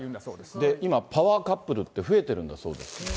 で、今、パワーカップルって増えてるんだそうです。